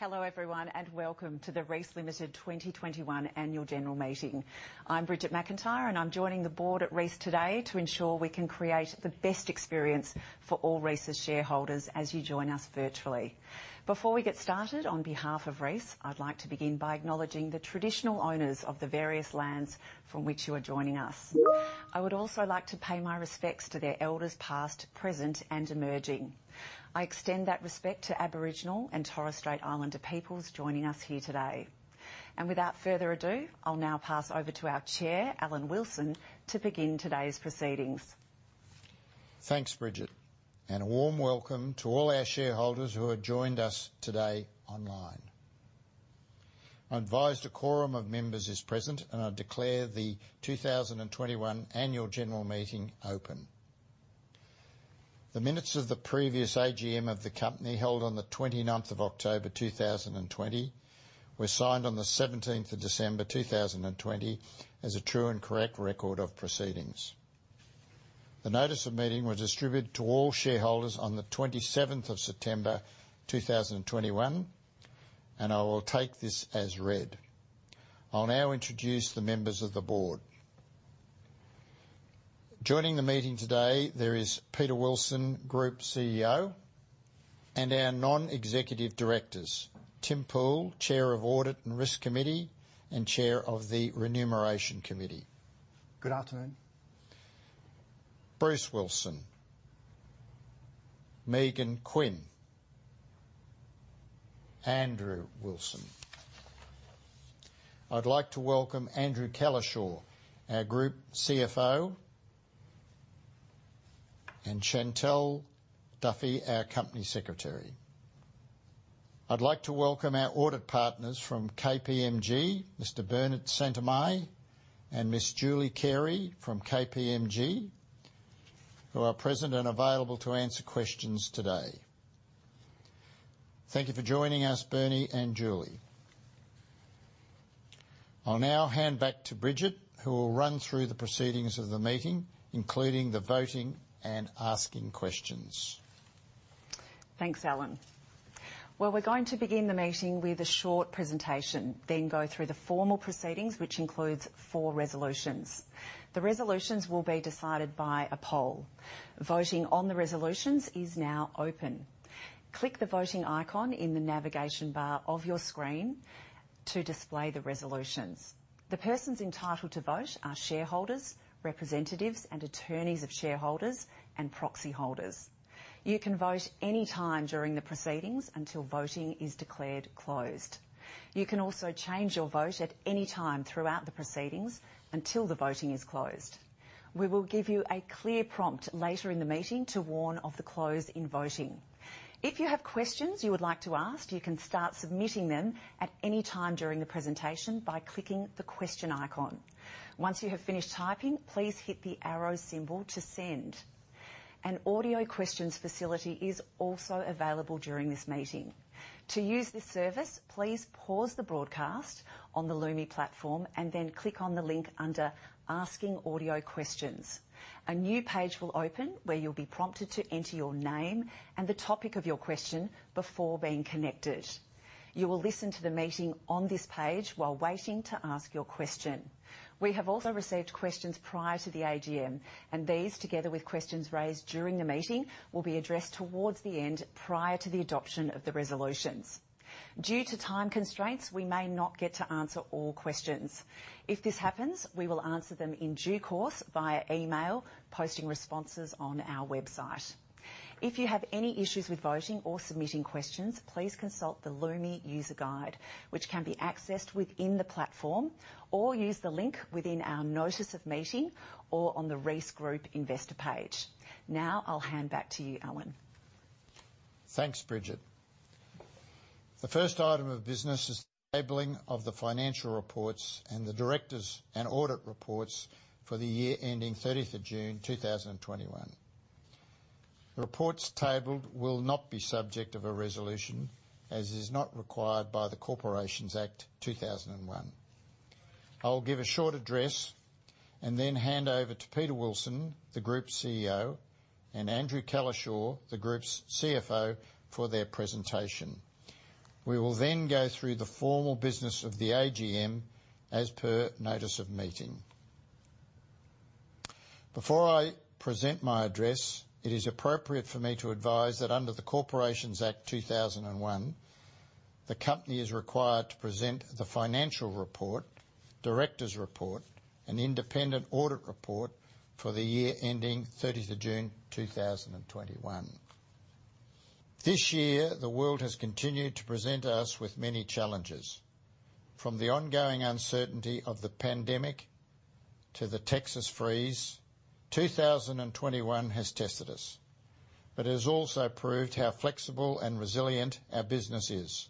Hello everyone, and welcome to the Reece Limited 2021 annual general meeting. I'm Bridget McIntyre, and I'm joining the board at Reece today to ensure we can create the best experience for all Reece's shareholders as you join us virtually. Before we get started, on behalf of Reece, I'd like to begin by acknowledging the traditional owners of the various lands from which you are joining us. I would also like to pay my respects to their elders past, present, and emerging. I extend that respect to Aboriginal and Torres Strait Islander peoples joining us here today. Without further ado, I'll now pass over to our Chair, Alan Wilson, to begin today's proceedings. Thanks, Bridget, and a warm welcome to all our shareholders who have joined us today online. I advise a quorum of members is present, and I declare the 2021 annual general meeting open. The minutes of the previous AGM of the company held on the 29th of October 2020 were signed on the 17th of December 2020 as a true and correct record of proceedings. The notice of meeting was distributed to all shareholders on the 27th of September 2021, and I will take this as read. I'll now introduce the members of the board. Joining the meeting today, there is Peter Wilson, Group CEO, and our non-executive directors, Tim Poole, Chair of Audit and Risk Committee and Chair of the Remuneration Committee. Good afternoon. Bruce Wilson. Megan Quinn. Andrew Wilson. I'd like to welcome Andrew Cowlishaw, our Group CFO, and Chantelle Duffy, our Company Secretary. I'd like to welcome our audit partners from KPMG, Mr. Bernie Szentirmay and Miss Julie Carey from KPMG, who are present and available to answer questions today. Thank you for joining us, Bernie and Julie. I'll now hand back to Bridget, who will run through the proceedings of the meeting, including the voting and asking questions. Thanks, Alan. Well, we're going to begin the meeting with a short presentation, then go through the formal proceedings, which includes four resolutions. The resolutions will be decided by a poll. Voting on the resolutions is now open. Click the voting icon in the navigation bar of your screen to display the resolutions. The persons entitled to vote are shareholders, representatives, and attorneys of shareholders and proxy holders. You can vote any time during the proceedings until voting is declared closed. You can also change your vote at any time throughout the proceedings until the voting is closed. We will give you a clear prompt later in the meeting to warn of the close in voting. If you have questions you would like to ask, you can start submitting them at any time during the presentation by clicking the question icon. Once you have finished typing, please hit the arrow symbol to send. An audio questions facility is also available during this meeting. To use this service, please pause the broadcast on the Lumi platform and then click on the link under Asking Audio Questions. A new page will open where you'll be prompted to enter your name and the topic of your question before being connected. You will listen to the meeting on this page while waiting to ask your question. We have also received questions prior to the AGM, and these, together with questions raised during the meeting, will be addressed towards the end prior to the adoption of the resolutions. Due to time constraints, we may not get to answer all questions. If this happens, we will answer them in due course via email, posting responses on our website. If you have any issues with voting or submitting questions, please consult the Lumi user guide, which can be accessed within the platform, or use the link within our notice of meeting or on the Reece Group investor page. Now I'll hand back to you, Alan. Thanks, Bridget. The first item of business is the tabling of the financial reports and the directors and audit reports for the year ending 30 June 2021. Reports tabled will not be subject of a resolution, as it is not required by the Corporations Act 2001. I'll give a short address and then hand over to Peter Wilson, the Group CEO, and Andrew Cowlishaw, the Group's CFO, for their presentation. We will then go through the formal business of the AGM as per notice of meeting. Before I present my address, it is appropriate for me to advise that under the Corporations Act 2001, the company is required to present the financial report, directors' report, an independent audit report for the year ending 30 June 2021. This year, the world has continued to present us with many challenges. From the ongoing uncertainty of the pandemic to the Texas freeze, 2021 has tested us. It has also proved how flexible and resilient our business is.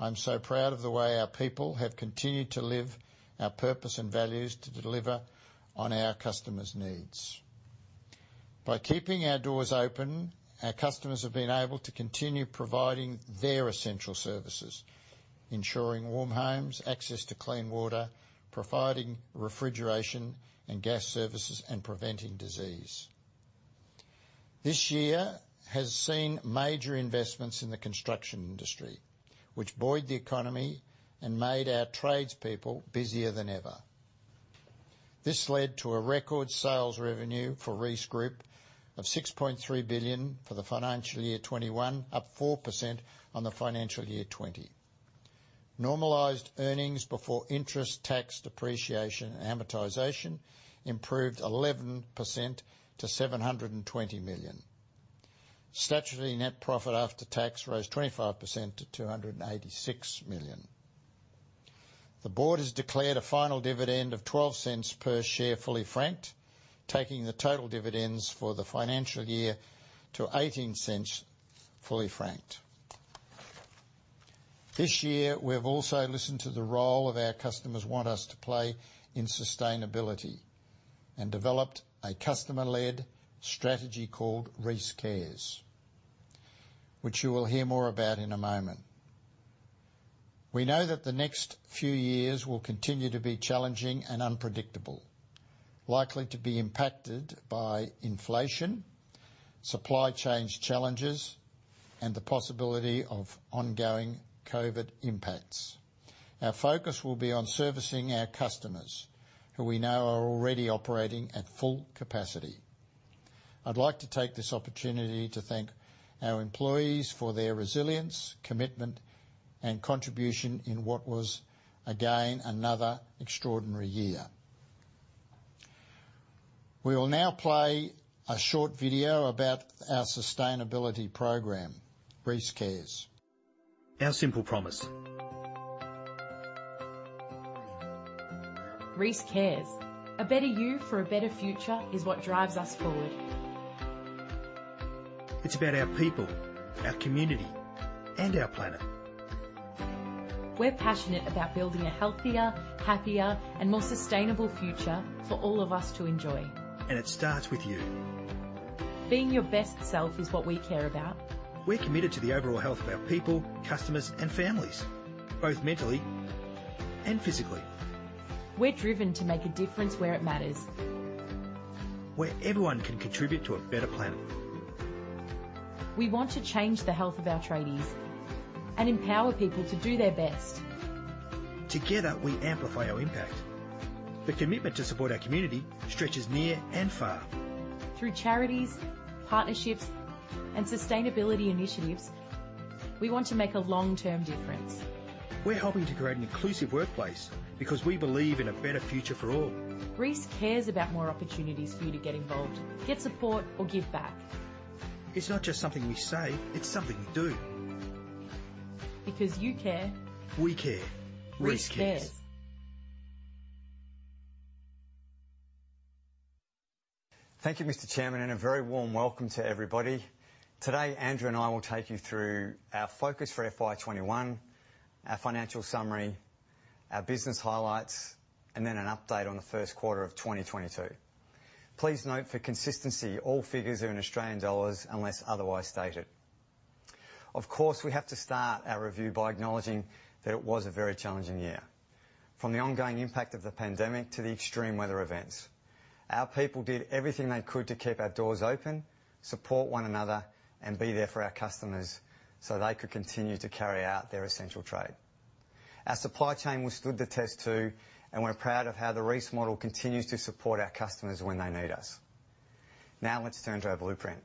I'm so proud of the way our people have continued to live our purpose and values to deliver on our customers' needs. By keeping our doors open, our customers have been able to continue providing their essential services, ensuring warm homes, access to clean water, providing refrigeration and gas services, and preventing disease. This year has seen major investments in the construction industry, which buoyed the economy and made our tradespeople busier than ever. This led to a record sales revenue for Reece Group of 6.3 billion for FY 2021, up 4% on FY 2020. Normalized earnings before interest, tax, depreciation, and amortization improved 11% to 720 million. Statutory net profit after tax rose 25% to 286 million. The board has declared a final dividend of 0.12 per share, fully franked, taking the total dividends for the financial year to 0.18, fully franked. This year, we have also listened to the role our customers want us to play in sustainability and developed a customer-led strategy called Reece Cares, which you will hear more about in a moment. We know that the next few years will continue to be challenging and unpredictable, likely to be impacted by inflation, supply chain challenges, and the possibility of ongoing COVID impacts. Our focus will be on servicing our customers who we know are already operating at full capacity. I'd like to take this opportunity to thank our employees for their resilience, commitment, and contribution in what was, again, another extraordinary year. We will now play a short video about our sustainability program, Reece Cares. Our simple promise. Reece Cares. A better you for a better future is what drives us forward. It's about our people, our community, and our planet. We're passionate about building a healthier, happier, and more sustainable future for all of us to enjoy. It starts with you. Being your best self is what we care about. We're committed to the overall health of our people, customers, and families, both mentally and physically. We're driven to make a difference where it matters. Where everyone can contribute to a better planet. We want to change the health of our tradies and empower people to do their best. Together, we amplify our impact. The commitment to support our community stretches near and far. Through charities, partnerships, and sustainability initiatives, we want to make a long-term difference. We're helping to create an inclusive workplace because we believe in a better future for all. Reece Cares about more opportunities for you to get involved, get support, or give back. It's not just something we say, it's something we do. Because you care. We care. Reece Cares. Thank you, Mr. Chairman, and a very warm welcome to everybody. Today, Andrew and I will take you through our focus for FY 2021, our financial summary, our business highlights, and then an update on the first quarter of 2022. Please note, for consistency, all figures are in Australian dollars unless otherwise stated. Of course, we have to start our review by acknowledging that it was a very challenging year, from the ongoing impact of the pandemic to the extreme weather events. Our people did everything they could to keep our doors open, support one another, and be there for our customers so they could continue to carry out their essential trade. Our supply chain withstood the test too, and we're proud of how the Reece model continues to support our customers when they need us. Now let's turn to our blueprint.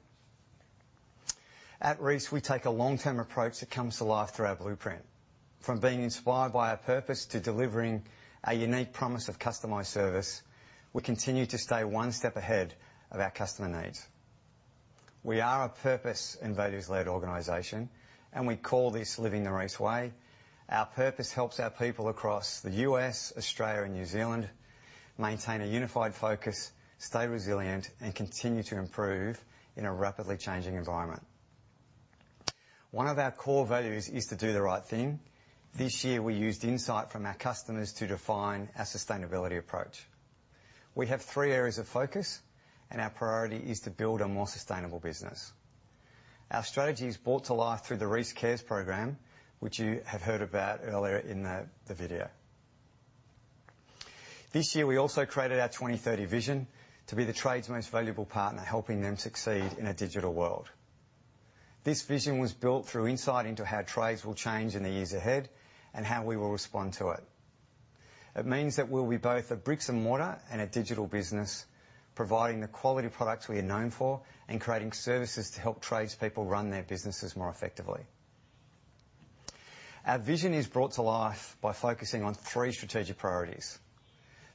At Reece, we take a long-term approach that comes to life through our blueprint. From being inspired by our purpose to delivering our unique promise of customized service, we continue to stay one step ahead of our customer needs. We are a purpose and values-led organization, and we call this Living the Reece Way. Our purpose helps our people across the U.S., Australia, and New Zealand maintain a unified focus, stay resilient, and continue to improve in a rapidly changing environment. One of our core values is to do the right thing. This year, we used insight from our customers to define our sustainability approach. We have three areas of focus, and our priority is to build a more sustainable business. Our strategy is brought to life through the Reece Cares program, which you have heard about earlier in the video. This year, we also created our 2030 vision to be the trade's most valuable partner, helping them succeed in a digital world. This vision was built through insight into how trades will change in the years ahead and how we will respond to it. It means that we'll be both a bricks-and-mortar and a digital business, providing the quality products we are known for and creating services to help tradespeople run their businesses more effectively. Our vision is brought to life by focusing on three strategic priorities.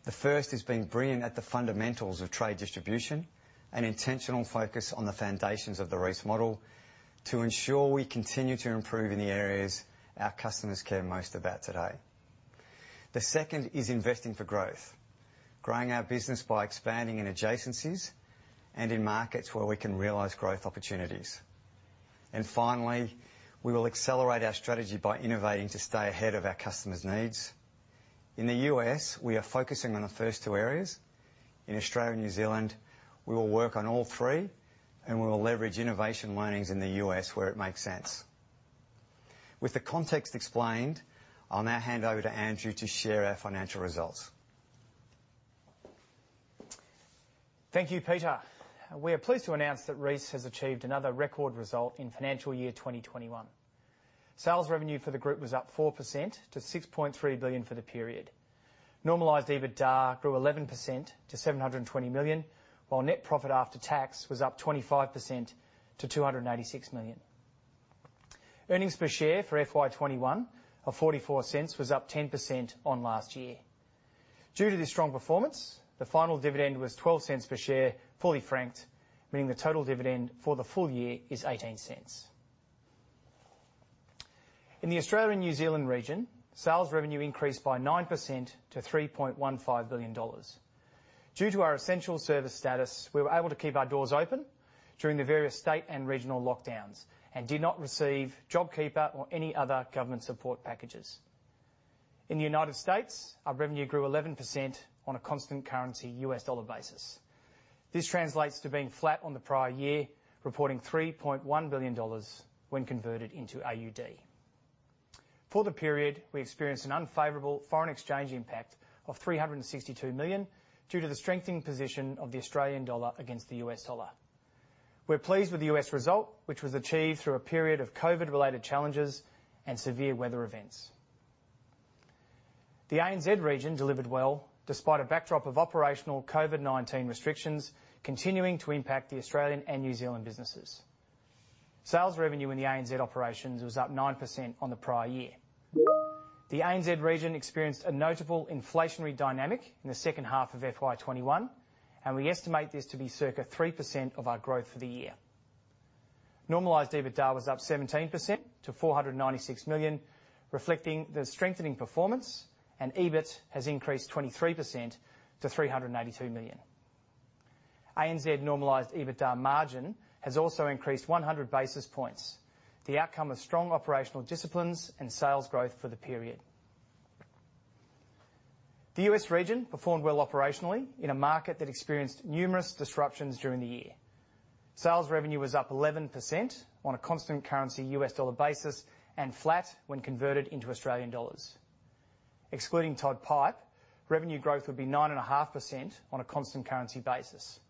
The first is being brilliant at the fundamentals of trade distribution and intentional focus on the foundations of the Reece model to ensure we continue to improve in the areas our customers care most about today. The second is investing for growth, growing our business by expanding in adjacencies and in markets where we can realize growth opportunities. Finally, we will accelerate our strategy by innovating to stay ahead of our customers' needs. In the U.S., we are focusing on the first two areas. In Australia and New Zealand, we will work on all three, and we will leverage innovation learnings in the U.S. where it makes sense. With the context explained, I'll now hand over to Andrew to share our financial results. Thank you, Peter. We are pleased to announce that Reece has achieved another record result in FY 2021. Sales revenue for the group was up 4% to 6.3 billion for the period. Normalized EBITDA grew 11% to 720 million, while net profit after tax was up 25% to 286 million. Earnings per share for FY 2021 of 0.44 was up 10% on last year. Due to this strong performance, the final dividend was 0.12 per share, fully franked, meaning the total dividend for the full year is 0.18. In the Australia and New Zealand region, sales revenue increased by 9% to 3.15 billion dollars. Due to our essential service status, we were able to keep our doors open during the various state and regional lockdowns and did not receive JobKeeper or any other government support packages. In the United States, our revenue grew 11% on a constant currency U.S. dollar basis. This translates to being flat on the prior year, reporting 3.1 billion dollars when converted into AUD. For the period, we experienced an unfavorable foreign exchange impact of 362 million due to the strengthening position of the Australian dollar against the U.S. dollar. We're pleased with the U.S. result, which was achieved through a period of COVID-related challenges and severe weather events. The ANZ region delivered well despite a backdrop of operational COVID-19 restrictions continuing to impact the Australian and New Zealand businesses. Sales revenue in the ANZ operations was up 9% on the prior year. The ANZ region experienced a notable inflationary dynamic in the second half of FY 2021, and we estimate this to be circa 3% of our growth for the year. Normalized EBITDA was up 17% to 496 million, reflecting the strengthening performance, and EBIT has increased 23% to 382 million. ANZ normalized EBITDA margin has also increased 100 basis points, the outcome of strong operational disciplines and sales growth for the period. The U.S. region performed well operationally in a market that experienced numerous disruptions during the year. Sales revenue was up 11% on a constant currency U.S. dollar basis and flat when converted into Australian dollars. Excluding Todd Pipe & Supply, revenue growth would be 9.5% on a constant currency basis.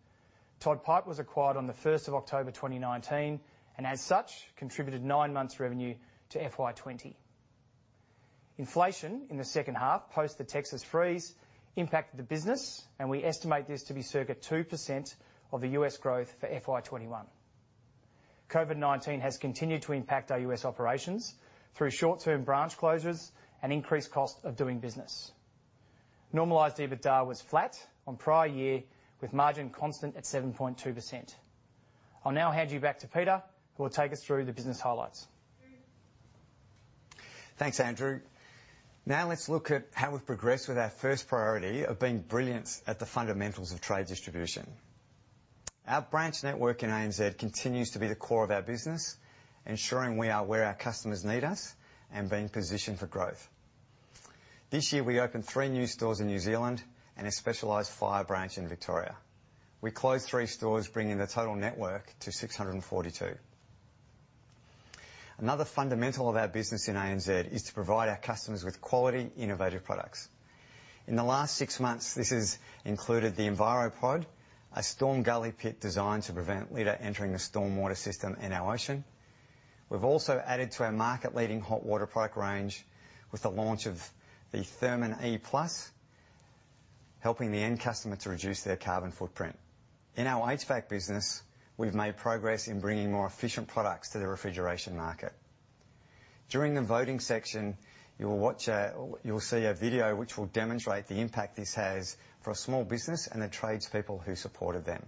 Todd Pipe & Supply was acquired on the first of October 2019, and as such, contributed nine months' revenue to FY 2020. Inflation in the second half, post the Texas freeze, impacted the business and we estimate this to be circa 2% of the U.S. growth for FY 2021. COVID-19 has continued to impact our U.S. operations through short-term branch closures and increased cost of doing business. Normalized EBITDA was flat on prior year with margin constant at 7.2%. I'll now hand you back to Peter who will take us through the business highlights. Thanks, Andrew. Now let's look at how we've progressed with our first priority of being brilliant at the fundamentals of trade distribution. Our branch network in ANZ continues to be the core of our business, ensuring we are where our customers need us and being positioned for growth. This year, we opened three new stores in New Zealand and a specialized fire branch in Victoria. We closed three stores, bringing the total network to 642. Another fundamental of our business in ANZ is to provide our customers with quality, innovative products. In the last six months, this has included the EnviroPod, a stormwater gully pit designed to prevent litter entering the stormwater system and our oceans. We've also added to our market-leading hot water product range with the launch of the Theralux, helping the end customer to reduce their carbon footprint. In our HVAC business, we've made progress in bringing more efficient products to the refrigeration market. During the voting section, you will see a video which will demonstrate the impact this has for a small business and the tradespeople who supported them.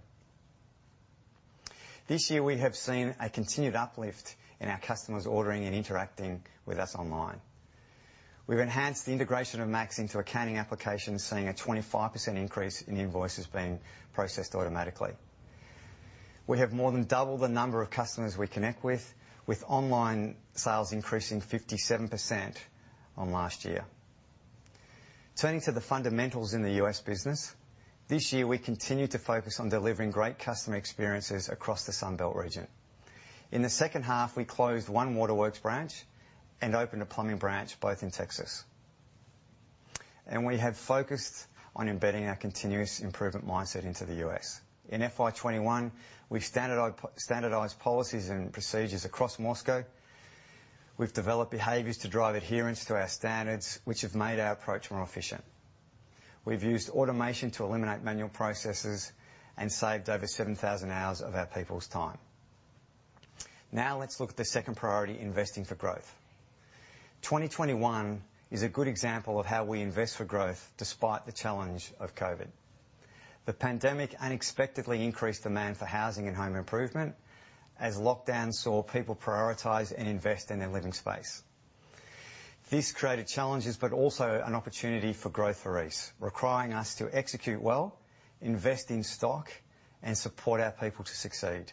This year, we have seen a continued uplift in our customers ordering and interacting with us online. We've enhanced the integration of maX into accounting applications, seeing a 25% increase in invoices being processed automatically. We have more than doubled the number of customers we connect with online sales increasing 57% on last year. Turning to the fundamentals in the U.S. business, this year, we continued to focus on delivering great customer experiences across the Sunbelt region. In the second half, we closed one Waterworks branch and opened a plumbing branch, both in Texas. We have focused on embedding our continuous improvement mindset into the U.S. In FY 2021, we've standardized policies and procedures across MORSCO. We've developed behaviors to drive adherence to our standards, which have made our approach more efficient. We've used automation to eliminate manual processes and saved over 7,000 hours of our people's time. Now let's look at the second priority, investing for growth. 2021 is a good example of how we invest for growth despite the challenge of COVID. The pandemic unexpectedly increased demand for housing and home improvement as lockdowns saw people prioritize and invest in their living space. This created challenges, but also an opportunity for growth for Reece, requiring us to execute well, invest in stock, and support our people to succeed.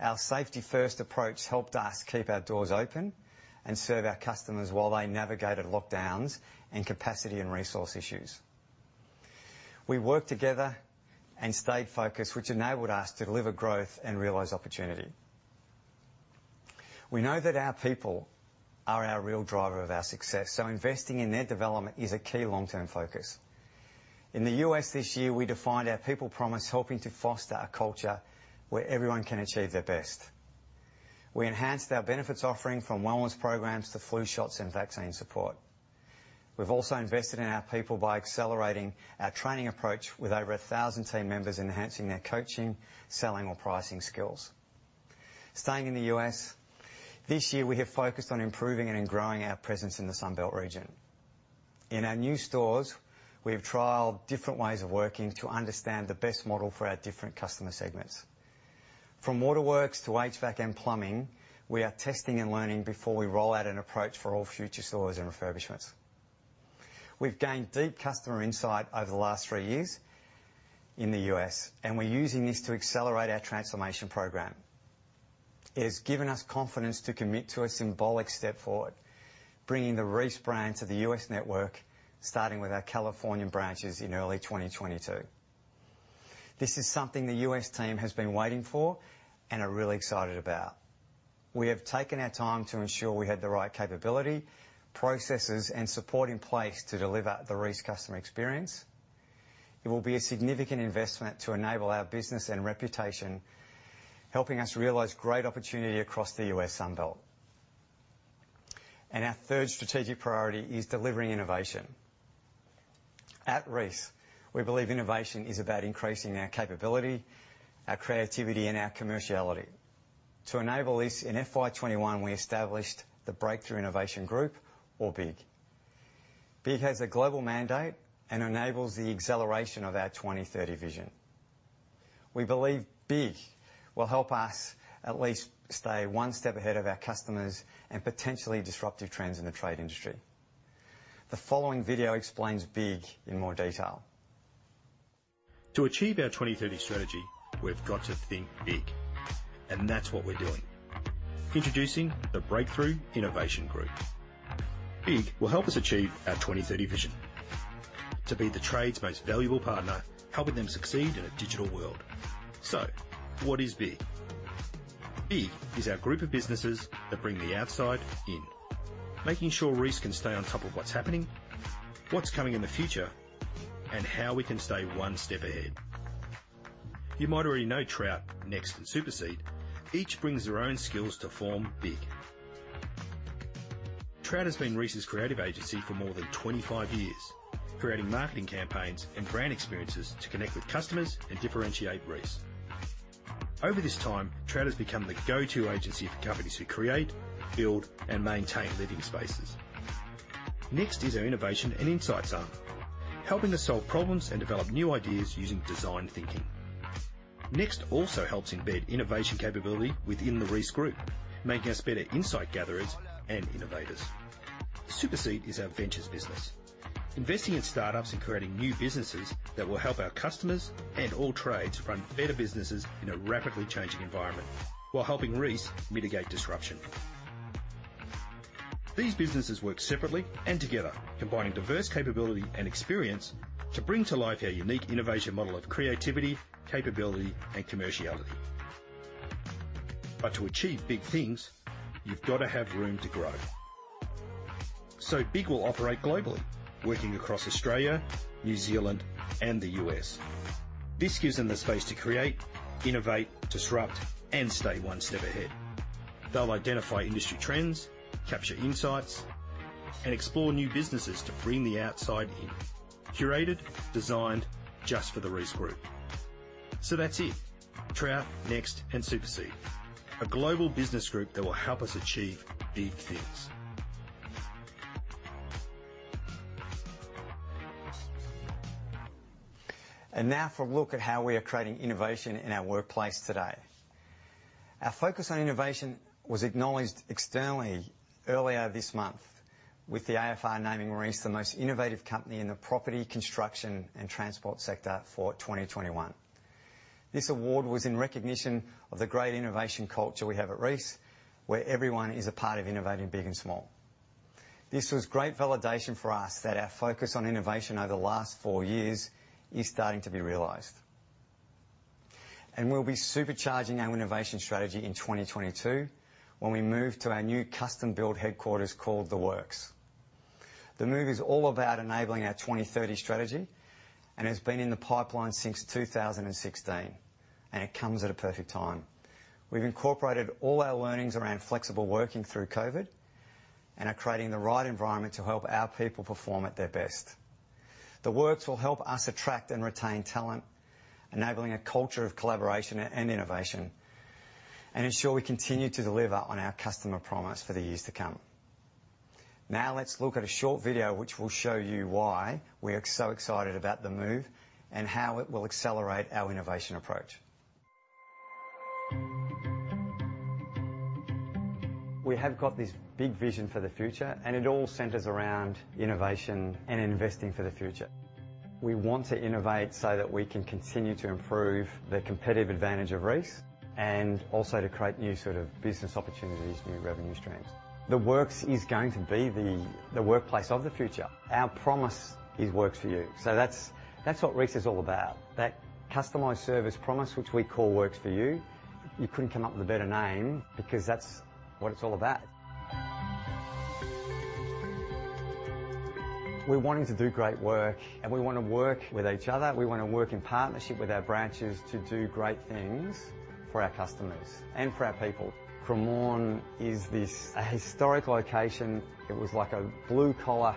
Our safety-first approach helped us keep our doors open and serve our customers while they navigated lockdowns and capacity and resource issues. We worked together and stayed focused, which enabled us to deliver growth and realize opportunity. We know that our people are our real driver of our success, so investing in their development is a key long-term focus. In the U.S. this year, we defined our people promise, helping to foster a culture where everyone can achieve their best. We enhanced our benefits offering from wellness programs to flu shots and vaccine support. We've also invested in our people by accelerating our training approach with over 1,000 team members enhancing their coaching, selling, or pricing skills. Staying in the U.S., this year we have focused on improving and growing our presence in the Sun Belt region. In our new stores, we have trialed different ways of working to understand the best model for our different customer segments. From Waterworks to HVAC and plumbing, we are testing and learning before we roll out an approach for all future stores and refurbishments. We've gained deep customer insight over the last three years in the U.S., and we're using this to accelerate our transformation program. It has given us confidence to commit to a symbolic step forward, bringing the Reece brand to the U.S. network, starting with our Californian branches in early 2022. This is something the U.S. team has been waiting for and are really excited about. We have taken our time to ensure we had the right capability, processes, and support in place to deliver the Reece customer experience. It will be a significant investment to enable our business and reputation, helping us realize great opportunity across the U.S. Sunbelt. Our third strategic priority is delivering innovation. At Reece, we believe innovation is about increasing our capability, our creativity, and our commerciality. To enable this, in FY 2021, we established the Breakthrough Innovation Group, or BIG. BIG has a global mandate and enables the acceleration of our 2030 vision. We believe BIG will help us at least stay one step ahead of our customers and potentially disruptive trends in the trade industry. The following video explains BIG in more detail. To achieve our 2030 strategy, we've got to think big, and that's what we're doing. Introducing the Breakthrough Innovation Group. BIG will help us achieve our 2030 vision to be the trade's most valuable partner, helping them succeed in a digital world. What is BIG? BIG is our group of businesses that bring the outside in, making sure Reece can stay on top of what's happening, what's coming in the future, and how we can stay one step ahead. You might already know Trout, Next, and SuperSeed. Each brings their own skills to form BIG. Trout has been Reece's creative agency for more than 25 years, creating marketing campaigns and brand experiences to connect with customers and differentiate Reece. Over this time, Trout has become the go-to agency for companies who create, build, and maintain living spaces. Next is our innovation and insights arm, helping us solve problems and develop new ideas using design thinking. Next also helps embed innovation capability within the Reece Group, making us better insight gatherers and innovators. SuperSeed is our ventures business, investing in start-ups and creating new businesses that will help our customers and all trades run better businesses in a rapidly changing environment while helping Reece mitigate disruption. These businesses work separately and together, combining diverse capability and experience to bring to life our unique innovation model of creativity, capability, and commerciality. To achieve big things, you've gotta have room to grow. BIG will operate globally, working across Australia, New Zealand, and the U.S. This gives them the space to create, innovate, disrupt, and stay one step ahead. They'll identify industry trends, capture insights, and explore new businesses to bring the outside in. Curated, designed just for the Reece Group. That's it. Trout, Next, and SuperSeed, a global business group that will help us achieve big things. Now for a look at how we are creating innovation in our workplace today. Our focus on innovation was acknowledged externally earlier this month with the AFR naming Reece the most innovative company in the property, construction, and transport sector for 2021. This award was in recognition of the great innovation culture we have at Reece, where everyone is a part of innovating big and small. This was great validation for us that our focus on innovation over the last 4 years is starting to be realized. We'll be supercharging our innovation strategy in 2022 when we move to our new custom-built headquarters called The Works. The move is all about enabling our 2030 strategy, and it's been in the pipeline since 2016, and it comes at a perfect time. We've incorporated all our learnings around flexible working through COVID and are creating the right environment to help our people perform at their best. The Works will help us attract and retain talent, enabling a culture of collaboration and innovation and ensure we continue to deliver on our customer promise for the years to come. Now let's look at a short video which will show you why we are so excited about the move and how it will accelerate our innovation approach. We have got this big vision for the future, and it all centers around innovation and investing for the future. We want to innovate so that we can continue to improve the competitive advantage of Reece and also to create new sort of business opportunities, new revenue streams. The Works is going to be the workplace of the future. Our promise is Works For You. That's what Reece is all about. That customized service promise, which we call Works for You. You couldn't come up with a better name because that's what it's all about. We're wanting to do great work, and we wanna work with each other. We wanna work in partnership with our branches to do great things for our customers and for our people. Cremorne is this historic location. It was like a blue-collar,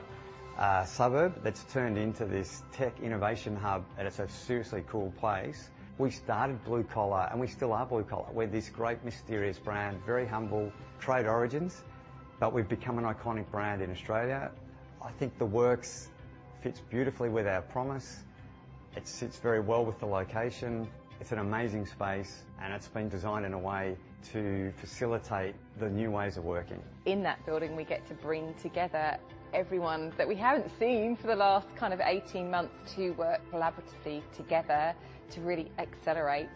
suburb that's turned into this tech innovation hub, and it's a seriously cool place. We started blue collar, and we still are blue collar. We're this great, mysterious brand, very humble trade origins, but we've become an iconic brand in Australia. I think the works fits beautifully with our promise. It sits very well with the location. It's an amazing space, and it's been designed in a way to facilitate the new ways of working. In that building, we get to bring together everyone that we haven't seen for the last kind of 18 months to work collaboratively together to really accelerate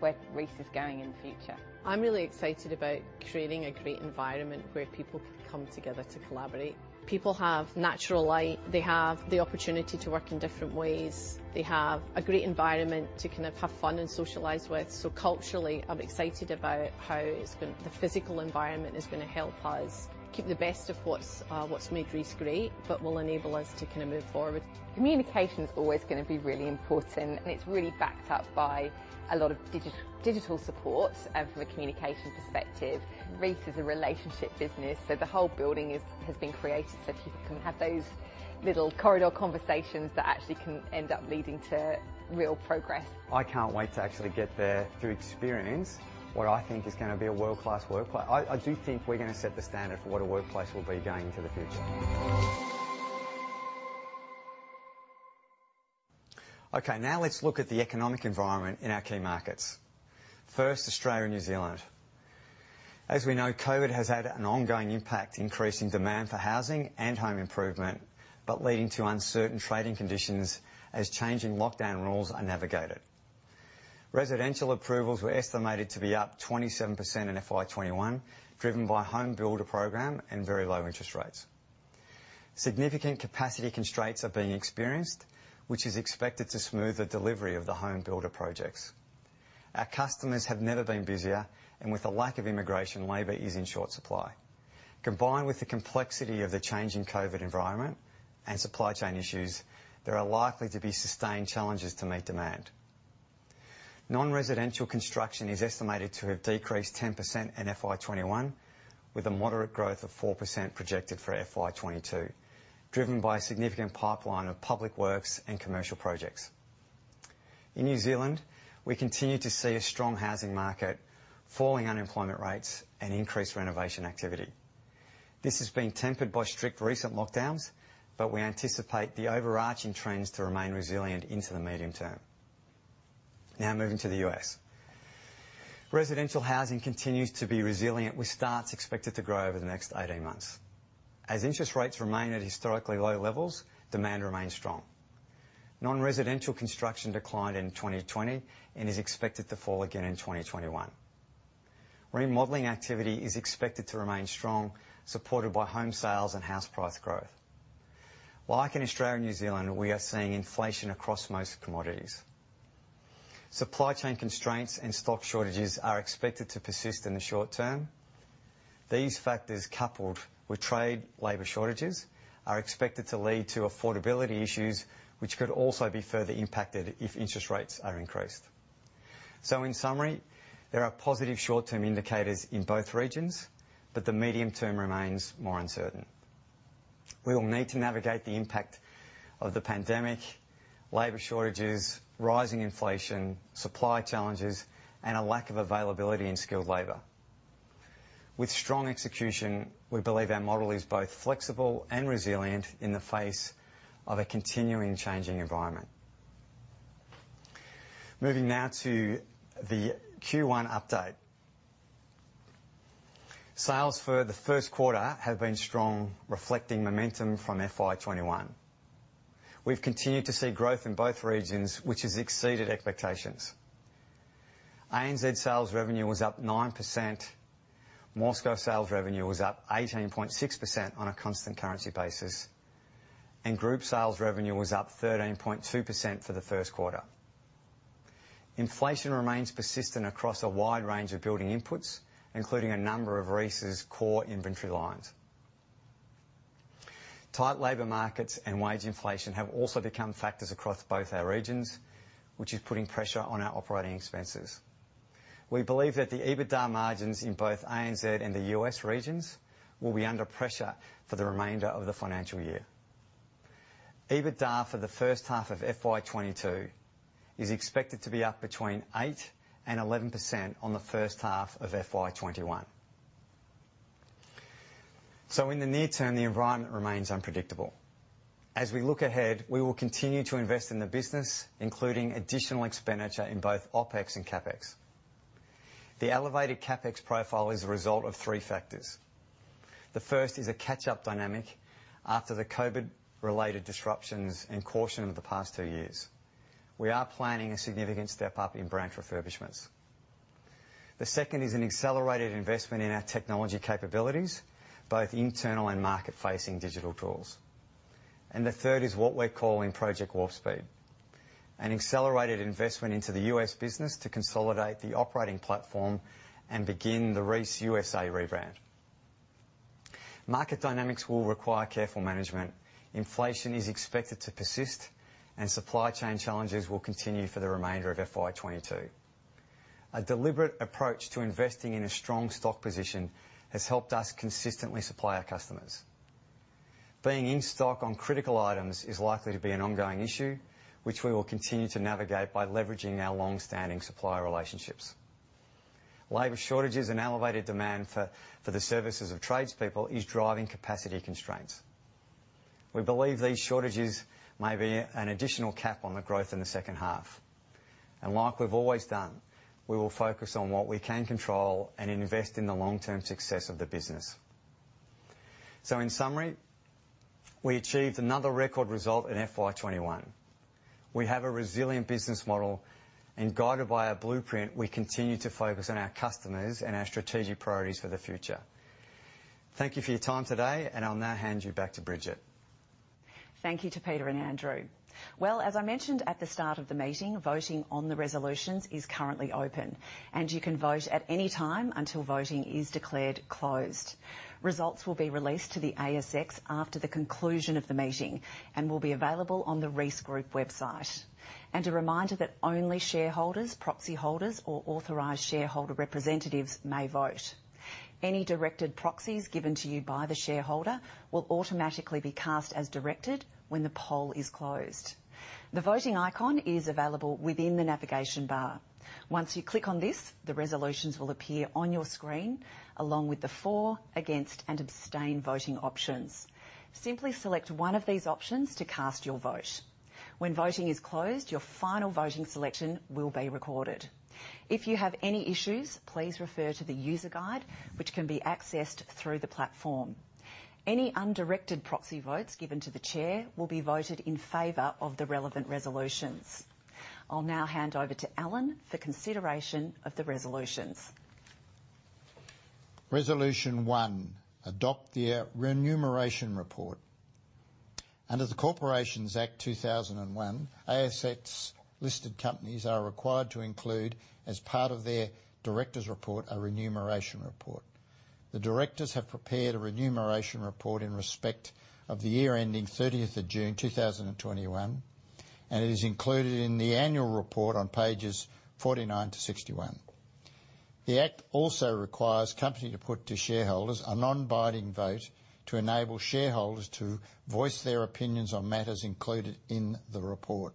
where Reece is going in the future. I'm really excited about creating a great environment where people can come together to collaborate. People have natural light. They have the opportunity to work in different ways. They have a great environment to kind of have fun and socialize with. Culturally, I'm excited about how it's been, the physical environment is gonna help us keep the best of what's made Reece great, but will enable us to kinda move forward. Communication is always gonna be really important, and it's really backed up by a lot of digital support from a communication perspective. Reece is a relationship business, so the whole building is, has been created so people can have those little corridor conversations that actually can end up leading to real progress. I can't wait to actually get there to experience what I think is gonna be a world-class workplace. I do think we're gonna set the standard for what a workplace will be going into the future. Okay. Now let's look at the economic environment in our key markets. First, Australia and New Zealand. As we know, COVID has had an ongoing impact, increasing demand for housing and home improvement, but leading to uncertain trading conditions as changing lockdown rules are navigated. Residential approvals were estimated to be up 27% in FY 2021, driven by HomeBuilder program and very low interest rates. Significant capacity constraints are being experienced, which is expected to smooth the delivery of the HomeBuilder projects. Our customers have never been busier, and with a lack of immigration, labor is in short supply. Combined with the complexity of the changing COVID environment and supply chain issues, there are likely to be sustained challenges to meet demand. Non-residential construction is estimated to have decreased 10% in FY 2021, with a moderate growth of 4% projected for FY 2022, driven by a significant pipeline of public works and commercial projects. In New Zealand, we continue to see a strong housing market, falling unemployment rates, and increased renovation activity. This has been tempered by strict recent lockdowns, but we anticipate the overarching trends to remain resilient into the medium term. Now, moving to the U.S. Residential housing continues to be resilient with starts expected to grow over the next 18 months. As interest rates remain at historically low levels, demand remains strong. Non-residential construction declined in 2020 and is expected to fall again in 2021. Remodeling activity is expected to remain strong, supported by home sales and house price growth. Like in Australia and New Zealand, we are seeing inflation across most commodities. Supply chain constraints and stock shortages are expected to persist in the short term. These factors, coupled with trade labor shortages, are expected to lead to affordability issues which could also be further impacted if interest rates are increased. In summary, there are positive short-term indicators in both regions, but the medium term remains more uncertain. We will need to navigate the impact of the pandemic, labor shortages, rising inflation, supply challenges, and a lack of availability in skilled labor. With strong execution, we believe our model is both flexible and resilient in the face of a continuing changing environment. Moving now to the Q1 update. Sales for the first quarter have been strong, reflecting momentum from FY 2021. We've continued to see growth in both regions, which has exceeded expectations. ANZ sales revenue was up 9%. MORSCO sales revenue was up 18.6% on a constant currency basis, and group sales revenue was up 13.2% for the first quarter. Inflation remains persistent across a wide range of building inputs, including a number of Reece's core inventory lines. Tight labor markets and wage inflation have also become factors across both our regions, which is putting pressure on our operating expenses. We believe that the EBITDA margins in both ANZ and the U.S. regions will be under pressure for the remainder of the financial year. EBITDA for the first half of FY 2022 is expected to be up between 8% and 11% on the first half of FY 2021. In the near term, the environment remains unpredictable. As we look ahead, we will continue to invest in the business, including additional expenditure in both OpEx and CapEx. The elevated CapEx profile is a result of three factors. The first is a catch-up dynamic after the COVID-related disruptions and caution of the past two years. We are planning a significant step up in branch refurbishments. The second is an accelerated investment in our technology capabilities, both internal and market-facing digital tools. The third is what we're calling Project Warp Speed, an accelerated investment into the U.S. business to consolidate the operating platform and begin the Reece USA rebrand. Market dynamics will require careful management. Inflation is expected to persist, and supply chain challenges will continue for the remainder of FY 2022. A deliberate approach to investing in a strong stock position has helped us consistently supply our customers. Being in stock on critical items is likely to be an ongoing issue, which we will continue to navigate by leveraging our long-standing supplier relationships. Labor shortages and elevated demand for the services of tradespeople is driving capacity constraints. We believe these shortages may be an additional cap on the growth in the second half. Like we've always done, we will focus on what we can control and invest in the long-term success of the business. In summary, we achieved another record result in FY 2021. We have a resilient business model, and guided by our blueprint, we continue to focus on our customers and our strategic priorities for the future. Thank you for your time today, and I'll now hand you back to Bridget. Thank you to Peter and Andrew. Well, as I mentioned at the start of the meeting, voting on the resolutions is currently open, and you can vote at any time until voting is declared closed. Results will be released to the ASX after the conclusion of the meeting and will be available on the Reece Group website. A reminder that only shareholders, proxy holders or authorized shareholder representatives may vote. Any directed proxies given to you by the shareholder will automatically be cast as directed when the poll is closed. The voting icon is available within the navigation bar. Once you click on this, the resolutions will appear on your screen, along with the for, against, and abstain voting options. Simply select one of these options to cast your vote. When voting is closed, your final voting selection will be recorded. If you have any issues, please refer to the user guide, which can be accessed through the platform. Any undirected proxy votes given to the chair will be voted in favor of the relevant resolutions. I'll now hand over to Alan for consideration of the resolutions. Resolution 1: Adopt the remuneration report. Under the Corporations Act 2001, ASX-listed companies are required to include, as part of their directors' report, a remuneration report. The directors have prepared a remuneration report in respect of the year ending 30 June 2021, and it is included in the annual report on pages 49-61. The Act also requires the company to put to shareholders a non-binding vote to enable shareholders to voice their opinions on matters included in the report.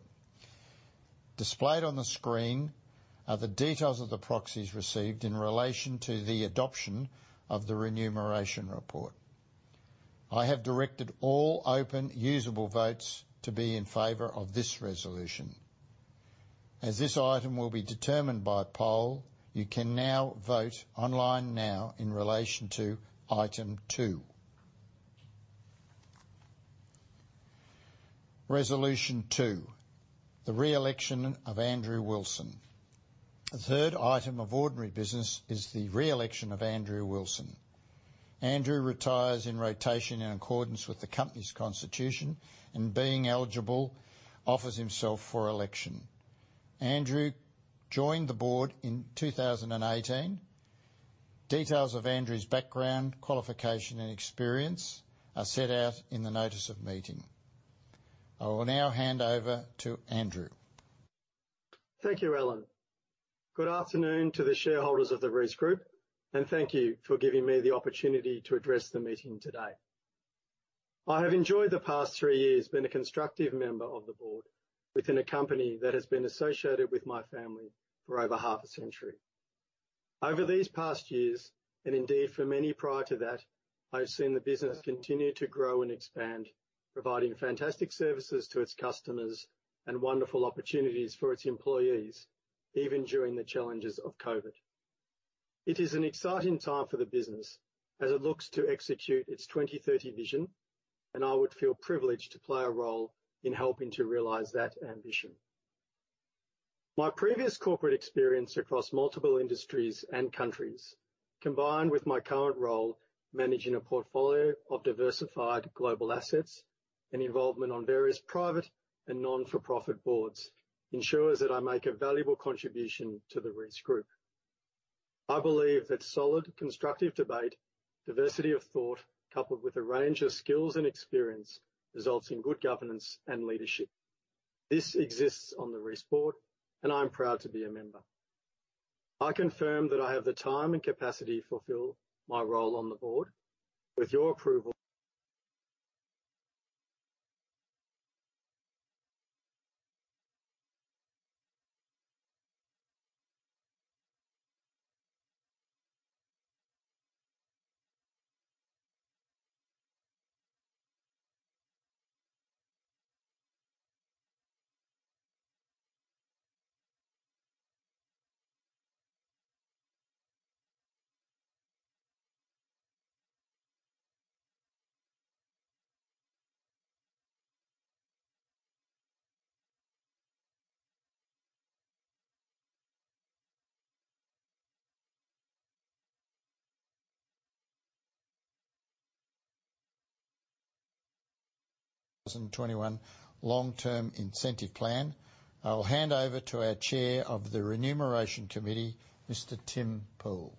Displayed on the screen are the details of the proxies received in relation to the adoption of the remuneration report. I have directed all open usable votes to be in favor of this resolution. As this item will be determined by poll, you can now vote online in relation to item 2. Resolution 2: The re-election of Andrew Wilson. The third item of ordinary business is the re-election of Andrew Wilson. Andrew retires in rotation in accordance with the company's constitution and being eligible, offers himself for election. Andrew joined the board in 2018. Details of Andrew's background, qualification and experience are set out in the notice of meeting. I will now hand over to Andrew. Thank you, Alan. Good afternoon to the shareholders of the Reece Group, and thank you for giving me the opportunity to address the meeting today. I have enjoyed the past three years being a constructive member of the board within a company that has been associated with my family for over half a century. Over these past years, and indeed for many prior to that, I have seen the business continue to grow and expand, providing fantastic services to its customers and wonderful opportunities for its employees, even during the challenges of COVID. It is an exciting time for the business as it looks to execute its 2030 vision, and I would feel privileged to play a role in helping to realize that ambition. My previous corporate experience across multiple industries and countries, combined with my current role managing a portfolio of diversified global assets and involvement on various private and no-for-profit boards, ensures that I make a valuable contribution to the Reece Group. I believe that solid, constructive debate, diversity of thought, coupled with a range of skills and experience, results in good governance and leadership. This exists on the Reece board, and I'm proud to be a member. I confirm that I have the time and capacity to fulfill my role on the board. With your approval. 21 Long-Term Incentive Plan. I'll hand over to our Chair of the Remuneration Committee, Mr. Tim Poole.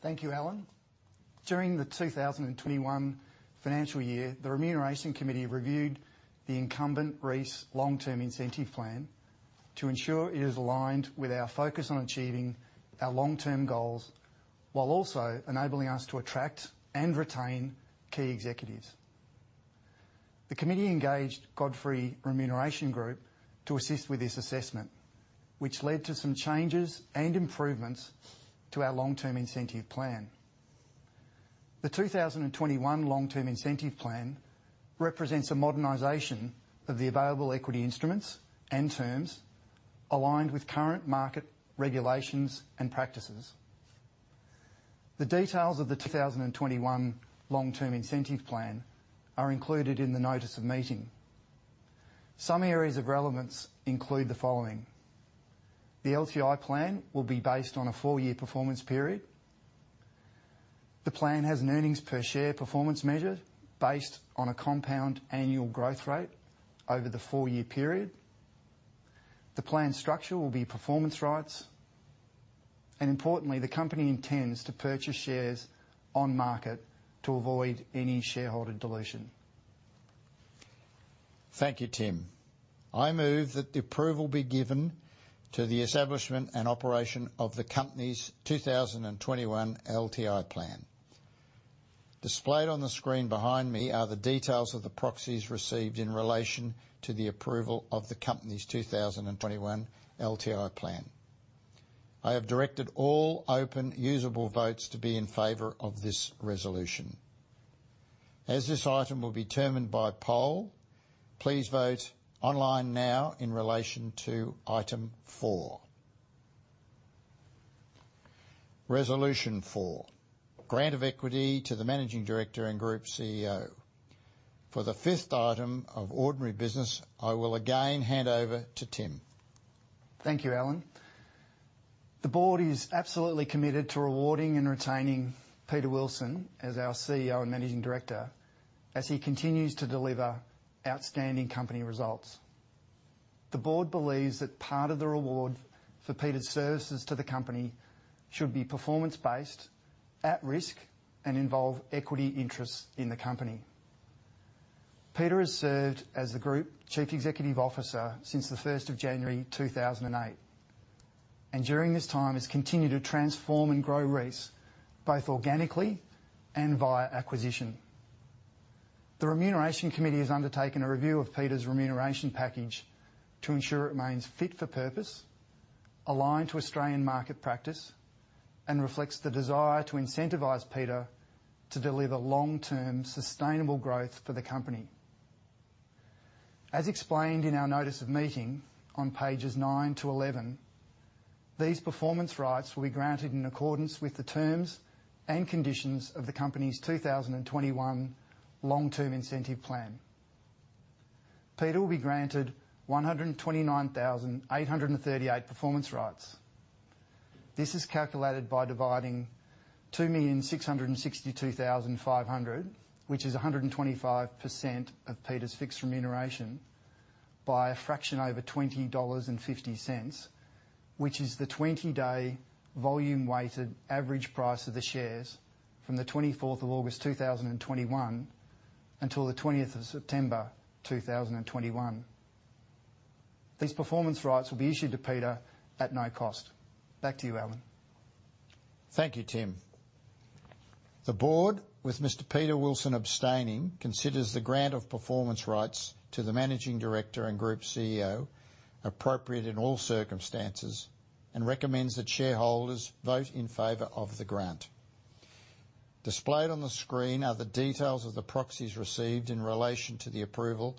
Thank you, Alan. During the 2021 financial year, the Remuneration Committee reviewed the incumbent Reece Long Term Incentive Plan to ensure it is aligned with our focus on achieving our long-term goals, while also enabling us to attract and retain key executives. The committee engaged Godfrey Remuneration Group to assist with this assessment, which led to some changes and improvements to our Long Term Incentive Plan. The 2021 Long Term Incentive Plan represents a modernization of the available equity instruments and terms aligned with current market regulations and practices. The details of the 2021 Long Term Incentive Plan are included in the Notice of Meeting. Some areas of relevance include the following. The LTI plan will be based on a four-year performance period. The plan has an earnings per share performance measure based on a compound annual growth rate over the four-year period. The plan structure will be performance rights. Importantly, the company intends to purchase shares on market to avoid any shareholder dilution. Thank you, Tim. I move that the approval be given to the establishment and operation of the company's 2021 LTI plan. Displayed on the screen behind me are the details of the proxies received in relation to the approval of the company's 2021 LTI plan. I have directed all open, usable votes to be in favor of this resolution. As this item will be determined by poll, please vote online now in relation to item 4. Resolution 4, Grant of Equity to the Managing Director and Group CEO. For the fifth item of ordinary business, I will again hand over to Tim. Thank you, Alan. The board is absolutely committed to rewarding and retaining Peter Wilson as our CEO and Managing Director as he continues to deliver outstanding company results. The board believes that part of the reward for Peter's services to the company should be performance-based, at risk, and involve equity interest in the company. Peter has served as the Group Chief Executive Officer since January 1st, 2009, and during this time has continued to transform and grow Reece, both organically and via acquisition. The Remuneration Committee has undertaken a review of Peter's remuneration package to ensure it remains fit for purpose, aligned to Australian market practice, and reflects the desire to incentivize Peter to deliver long-term sustainable growth for the company. As explained in our notice of meeting on pages 9-11, these performance rights will be granted in accordance with the terms and conditions of the company's 2021 Long Term Incentive Plan. Peter will be granted 129,838 performance rights. This is calculated by dividing 2,662,500, which is 125% of Peter's fixed remuneration by a fraction over 20.50 dollars, which is the 20-day volume-weighted average price of the shares from August 24th, 2021 until September 20th, 2021. These performance rights will be issued to Peter at no cost. Back to you, Alan. Thank you, Tim. The board, with Mr. Peter Wilson abstaining, considers the grant of performance rights to the Managing Director and Group CEO appropriate in all circumstances and recommends that shareholders vote in favor of the grant. Displayed on the screen are the details of the proxies received in relation to the approval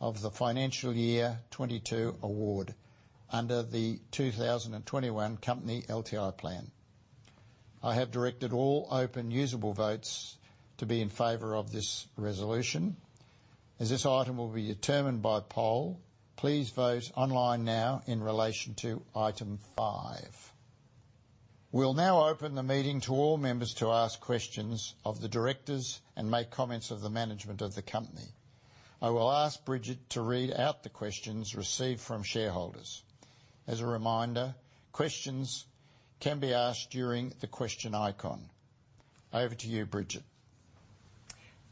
of the financial year 2022 award under the 2021 company LTI plan. I have directed all open, usable votes to be in favor of this resolution. As this item will be determined by poll, please vote online now in relation to item 5. We'll now open the meeting to all members to ask questions of the directors and make comments of the management of the company. I will ask Bridget to read out the questions received from shareholders. As a reminder, questions can be asked during the question icon. Over to you, Bridget.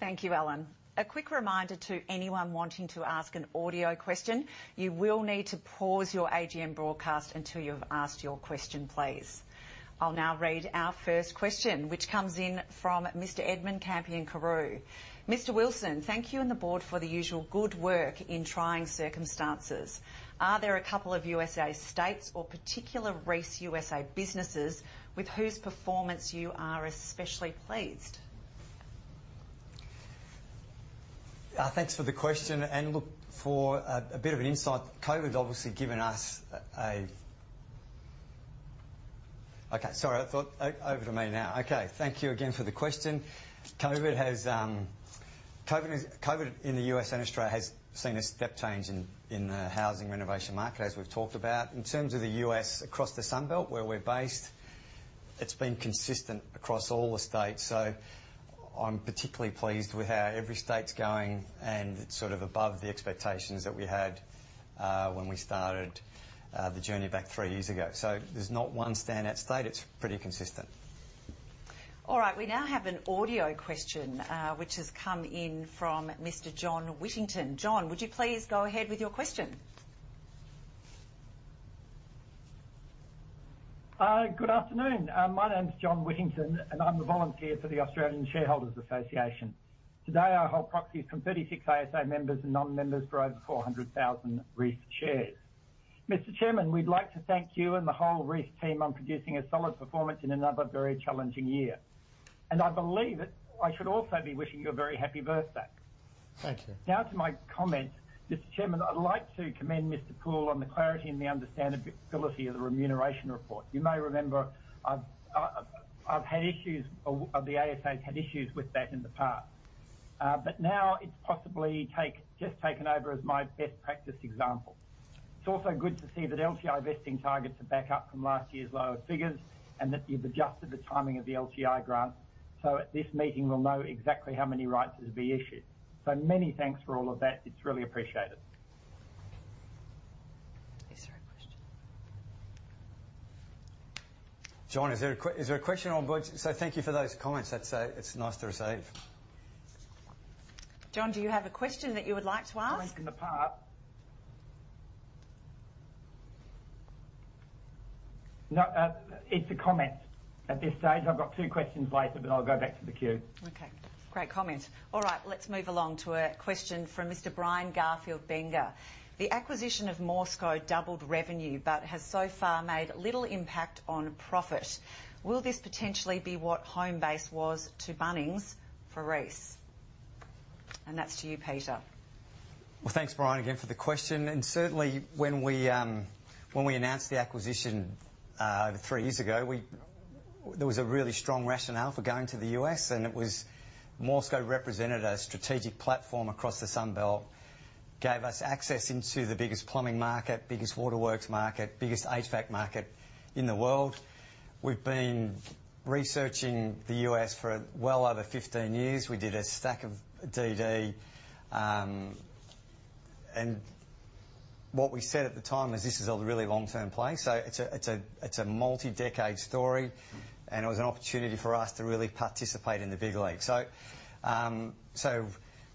Thank you, Alan. A quick reminder to anyone wanting to ask an audio question, you will need to pause your AGM broadcast until you've asked your question, please. I'll now read our first question, which comes in from Mr. Edmund Campion Carew. "Mr. Wilson, thank you and the board for the usual good work in trying circumstances. Are there a couple of USA states or particular Reece USA businesses with whose performance you are especially pleased? Thank you again for the question. COVID has COVID in the U.S. and Australia has seen a step change in the housing renovation market, as we've talked about. In terms of the U.S., across the Sun Belt where we're based, it's been consistent across all the states. I'm particularly pleased with how every state's going, and it's sort of above the expectations that we had, when we started, the journey back three years ago. There's not one standout state. It's pretty consistent. All right. We now have an audio question, which has come in from Mr. John Whittington. John, would you please go ahead with your question? Good afternoon. My name is John Whittington, and I'm a volunteer for the Australian Shareholders' Association. Today, I hold proxies from 36 ASA members and non-members for over 400,000 Reece shares. Mr. Chairman, we'd like to thank you and the whole Reece team on producing a solid performance in another very challenging year. I believe that I should also be wishing you a very happy birthday. Thank you. Now to my comments. Mr. Chairman, I'd like to commend Mr. Poole on the clarity and the understandability of the remuneration report. You may remember I've had issues or the ASA's had issues with that in the past. Now it's just taken over as my best practice example. It's also good to see that LTI vesting targets are back up from last year's lower figures and that you've adjusted the timing of the LTI grant. At this meeting, we'll know exactly how many rights will be issued. Many thanks for all of that. It's really appreciated. Is there a question? John, is there a question on board? Thank you for those comments. That's, it's nice to receive. John, do you have a question that you would like to ask? It's a comment at this stage. I've got two questions later, but I'll go back to the queue. Okay. Great comment. All right. Let's move along to a question from Mr. Brian Garfield Benger. The acquisition of MORSCO doubled revenue, but has so far made little impact on profit. Will this potentially be what Homebase was to Bunnings for Reece? And that's to you, Peter. Well, thanks, Brian, again for the question. Certainly when we announced the acquisition over three years ago, there was a really strong rationale for going to the U.S., and it was MORSCO represented a strategic platform across the Sun Belt, gave us access into the biggest plumbing market, biggest waterworks market, biggest HVAC market in the world. We've been researching the U.S. for well over 15 years. We did a stack of DD, and what we said at the time is this is a really long-term play. It's a multi-decade story, and it was an opportunity for us to really participate in the big league.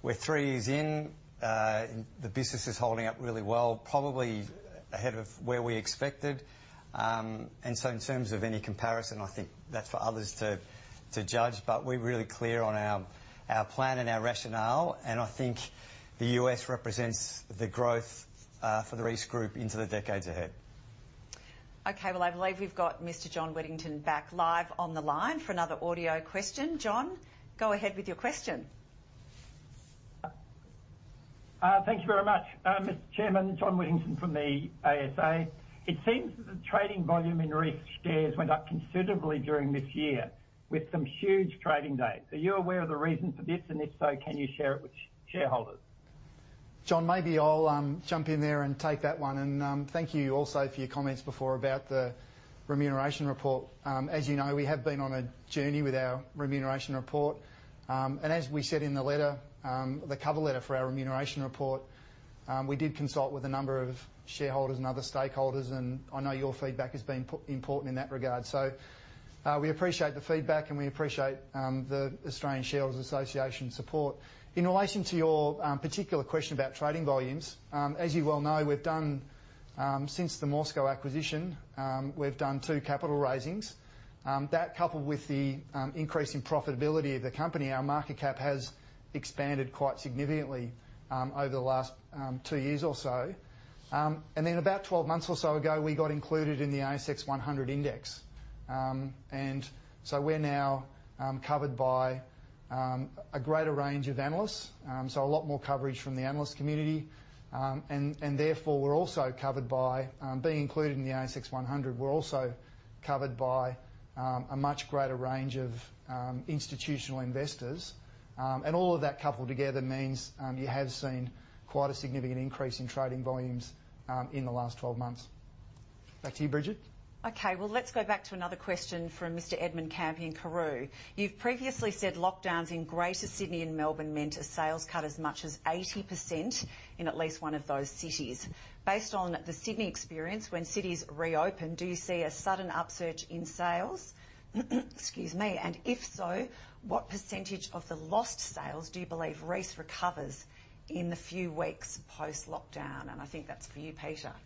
We're 3 years in. The business is holding up really well, probably ahead of where we expected. In terms of any comparison, I think that's for others to judge. We're really clear on our plan and our rationale, and I think the U.S. represents the growth for the Reece Group into the decades ahead. Okay. Well, I believe we've got Mr. John Whittington back live on the line for another audio question. John, go ahead with your question. Thank you very much. Mr. Chairman, John Whittington from the ASA. It seems that the trading volume in Reece shares went up considerably during this year with some huge trading days. Are you aware of the reason for this, and if so, can you share it with shareholders? John, maybe I'll jump in there and take that one. Thank you also for your comments before about the remuneration report. As you know, we have been on a journey with our remuneration report. As we said in the letter, the cover letter for our remuneration report, we did consult with a number of shareholders and other stakeholders, and I know your feedback has been important in that regard. We appreciate the feedback, and we appreciate the Australian Shareholders' Association support. In relation to your particular question about trading volumes, as you well know, we've done two capital raisings since the MORSCO acquisition. That coupled with the increase in profitability of the company, our market cap has expanded quite significantly over the last two years or so. About 12 months or so ago, we got included in the ASX 100 index. We're now covered by a greater range of analysts, so a lot more coverage from the analyst community. Therefore, being included in the ASX 100, we're also covered by a much greater range of institutional investors. All of that coupled together means you have seen quite a significant increase in trading volumes in the last 12 months. Back to you, Bridget. Okay, well, let's go back to another question from Mr. Edmund Campion Carew. You've previously said lockdowns in Greater Sydney and Melbourne meant a sales cut as much as 80% in at least one of those cities. Based on the Sydney experience, when cities reopen, do you see a sudden upsurge in sales? Excuse me. And if so, what percentage of the lost sales do you believe Reece recovers in the few weeks post-lockdown? And I think that's for you, Peter. Yeah.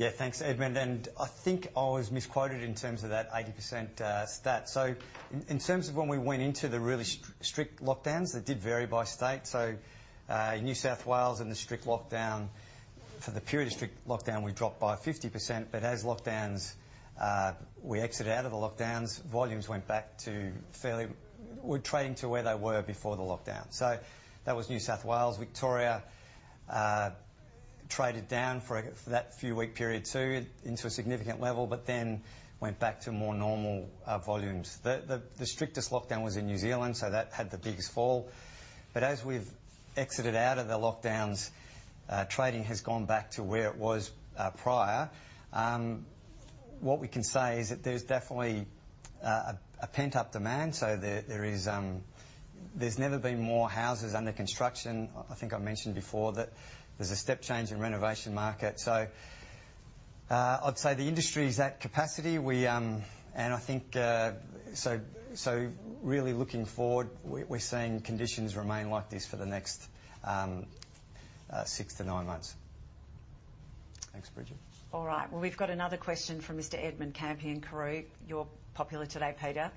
Thanks, Edmund. I think I was misquoted in terms of that 80% stat. In terms of when we went into the really strict lockdowns, that did vary by state. New South Wales and the strict lockdown, for the period of strict lockdown, we dropped by 50%. As lockdowns, we exited out of the lockdowns, volumes went back to fairly we're trading to where they were before the lockdown. That was New South Wales. Victoria traded down for a, for that few week period too, into a significant level, but then went back to more normal volumes. The strictest lockdown was in New Zealand, so that had the biggest fall. As we've exited out of the lockdowns, trading has gone back to where it was prior. What we can say is that there's definitely a pent-up demand, so there is. There's never been more houses under construction. I think I mentioned before that there's a step change in renovation market. I'd say the industry is at capacity. I think really looking forward, we're seeing conditions remain like this for the next 6-9 months. Thanks, Bridget. All right. Well, we've got another question from Mr. Edmund Campion Carew, you're popular today, Peter.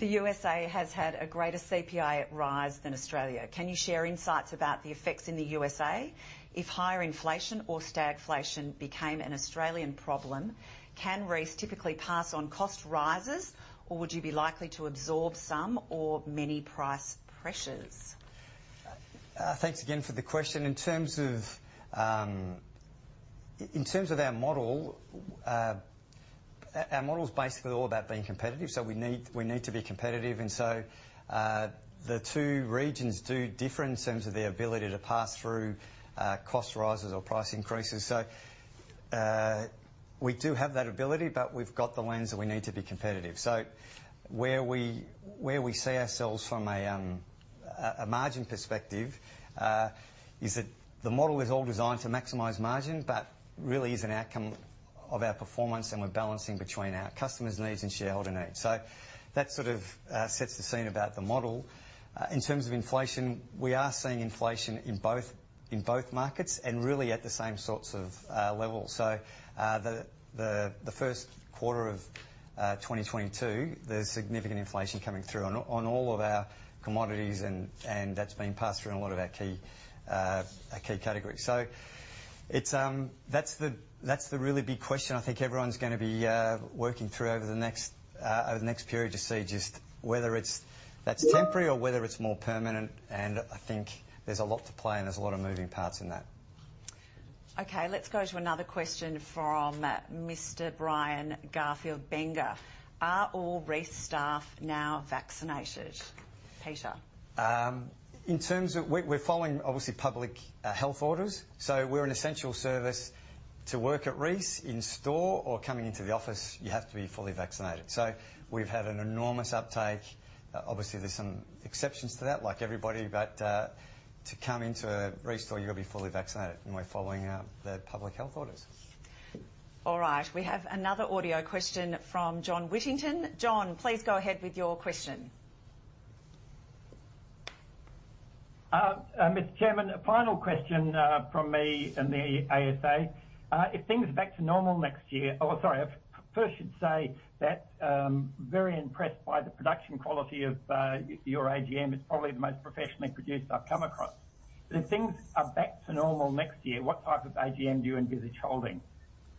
The U.S. has had a greater CPI rise than Australia. Can you share insights about the effects in the U.S.? If higher inflation or stagflation became an Australian problem, can Reece typically pass on cost rises, or would you be likely to absorb some or many price pressures? Thanks again for the question. In terms of our model, our model's basically all about being competitive, so we need to be competitive. The two regions do differ in terms of their ability to pass through cost rises or price increases. We do have that ability, but we've got the lens that we need to be competitive. Where we see ourselves from a margin perspective is that the model is all designed to maximize margin, but really is an outcome of our performance, and we're balancing between our customers' needs and shareholder needs. That sort of sets the scene about the model. In terms of inflation, we are seeing inflation in both markets, and really at the same sorts of levels. The first quarter of 2022, there's significant inflation coming through on all of our commodities and that's being passed through in a lot of our key categories. That's the really big question I think everyone's gonna be working through over the next period to see just whether it's temporary or whether it's more permanent, and I think there's a lot at play and there's a lot of moving parts in that. Okay, let's go to another question from Mr. Brian Garfield Benger. Are all Reece staff now vaccinated? Peter. We're following, obviously, public health orders, so we're an essential service. To work at Reece in store or coming into the office, you have to be fully vaccinated. We've had an enormous uptake. Obviously, there's some exceptions to that, like everybody, but to come into a Reece store, you've got to be fully vaccinated, and we're following the public health orders. All right. We have another audio question from John Whittington. John, please go ahead with your question. Mr. Chairman, a final question from me and the ASA. I first should say that I'm very impressed by the production quality of your AGM. It's probably the most professionally produced I've come across. If things are back to normal next year, what type of AGM do you envisage holding?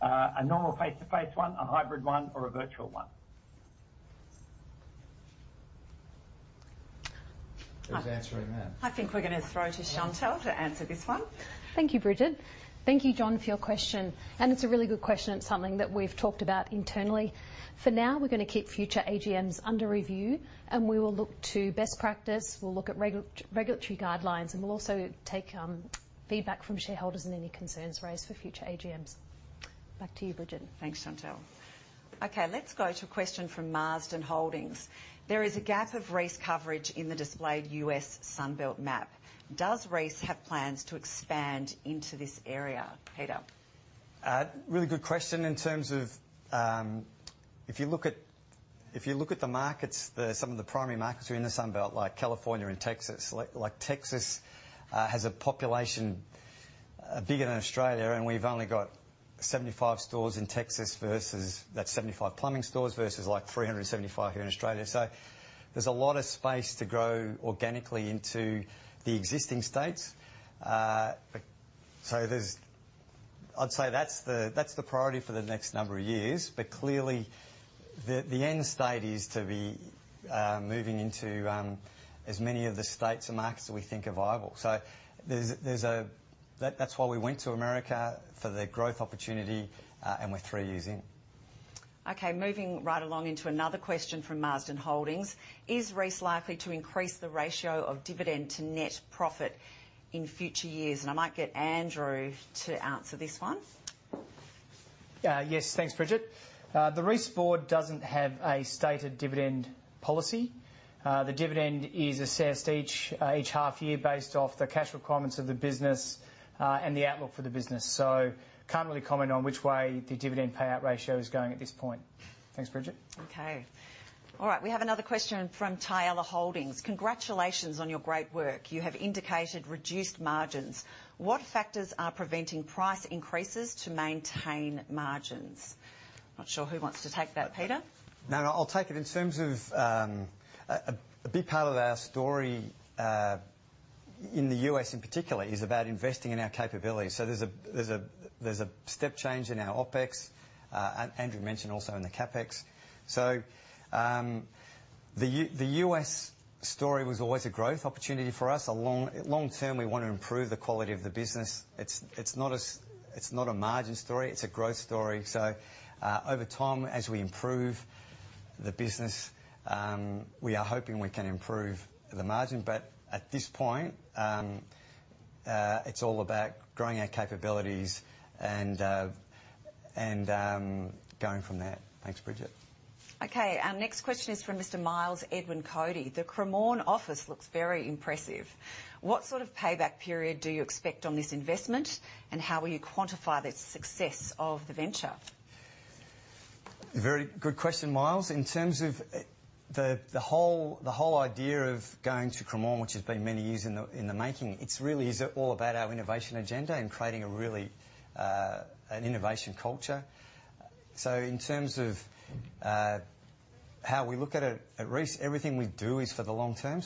A normal face-to-face one, a hybrid one, or a virtual one? Who's answering that? I think we're gonna throw to Chantelle to answer this one. Thank you, Bridget. Thank you, John, for your question, and it's a really good question. It's something that we've talked about internally. For now, we're gonna keep future AGMs under review, and we will look to best practice, we'll look at regulatory guidelines, and we'll also take feedback from shareholders and any concerns raised for future AGMs. Back to you, Bridget. Thanks, Chantelle. Okay, let's go to a question from Marsden Holdings. There is a gap of Reece coverage in the displayed U.S. Sunbelt map. Does Reece have plans to expand into this area? Peter. Really good question in terms of if you look at the markets, some of the primary markets are in the Sunbelt, like California and Texas. Like Texas has a population bigger than Australia, and we've only got 75 stores in Texas versus, that's 75 plumbing stores, versus like 375 here in Australia. So there's a lot of space to grow organically into the existing states. So there's I'd say that's the priority for the next number of years. But clearly the end state is to be moving into as many of the states and markets that we think are viable. So there's That's why we went to America, for the growth opportunity, and we're three years in. Okay, moving right along into another question from Marsden Holdings. Is Reece likely to increase the ratio of dividend to net profit in future years? I might get Andrew to answer this one. Yes. Thanks, Bridget. The Reece board doesn't have a stated dividend policy. The dividend is assessed each half year based off the cash requirements of the business, and the outlook for the business. Can't really comment on which way the dividend payout ratio is going at this point. Thanks, Bridget. Okay. All right. We have another question from Tyalla Capital. Congratulations on your great work. You have indicated reduced margins. What factors are preventing price increases to maintain margins? Not sure who wants to take that. Peter? No, no, I'll take it. In terms of a big part of our story in the U.S. in particular is about investing in our capabilities. There's a step change in our OpEx. Andrew mentioned also in the CapEx. The U.S. story was always a growth opportunity for us. Long term, we want to improve the quality of the business. It's not a margin story, it's a growth story. Over time, as we improve the business, we are hoping we can improve the margin. At this point, it's all about growing our capabilities and going from there. Thanks, Bridget. Okay. Our next question is from Mr. Miles Edwin Cody. The Cremorne office looks very impressive. What sort of payback period do you expect on this investment, and how will you quantify the success of the venture? Very good question, Miles. In terms of the whole idea of going to Cremorne, which has been many years in the making, it really is all about our innovation agenda and creating a really an innovation culture. In terms of how we look at it at Reece, everything we do is for the long term.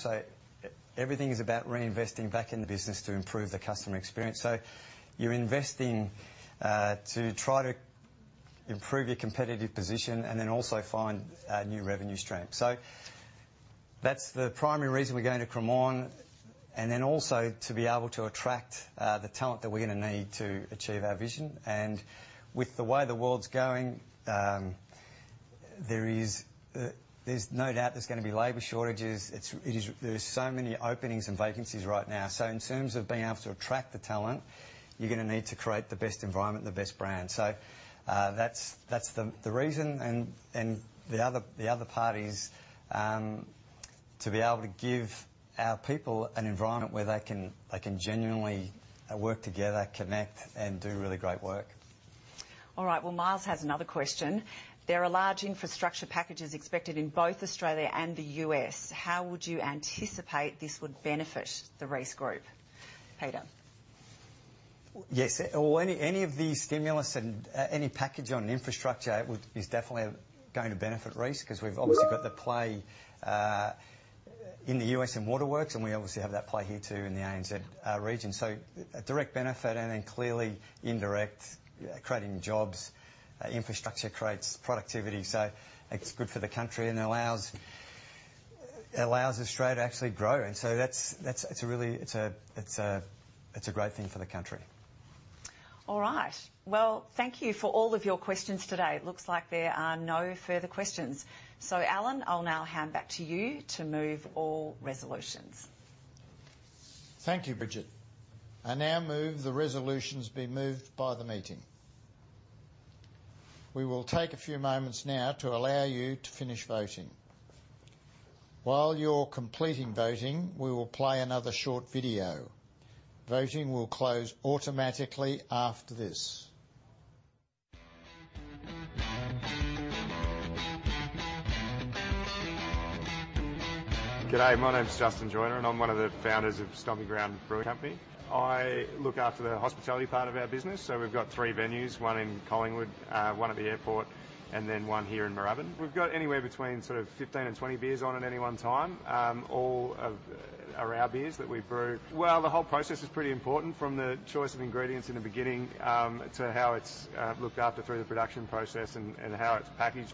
Everything is about reinvesting back in the business to improve the customer experience. You're investing to try to improve your competitive position and then also find new revenue streams. That's the primary reason we're going to Cremorne. Then also to be able to attract the talent that we're gonna need to achieve our vision. With the way the world's going, there's no doubt there's gonna be labor shortages. There's so many openings and vacancies right now. In terms of being able to attract the talent, you're gonna need to create the best environment, the best brand. That's the reason. The other part is to be able to give our people an environment where they can genuinely work together, connect, and do really great work. All right. Well, Miles has another question. There are large infrastructure packages expected in both Australia and the U.S. How would you anticipate this would benefit the Reece Group? Peter. Yes. Well, any of the stimulus and any package on infrastructure is definitely going to benefit Reece 'cause we've obviously got the play in the U.S. in waterworks, and we obviously have that play here too in the ANZ region. So a direct benefit and then clearly indirect, creating jobs. Infrastructure creates productivity, so it's good for the country and allows Australia to actually grow. That's a really great thing for the country. All right. Well, thank you for all of your questions today. It looks like there are no further questions. Alan, I'll now hand back to you to move all resolutions. Thank you, Bridget. I now move the resolutions be moved by the meeting. We will take a few moments now to allow you to finish voting. While you're completing voting, we will play another short video. Voting will close automatically after this. G'day. My name's Justin Joiner, and I'm one of the founders of Stomping Ground Brewing Co. I look after the hospitality part of our business. We've got 3 venues, one in Collingwood, one at the airport, and then one here in Moorabbin. We've got anywhere between sort of 15 and 20 beers on at any one time. All are our beers that we've brewed. Well, the whole process is pretty important, from the choice of ingredients in the beginning, to how it's looked after through the production process and how it's packaged.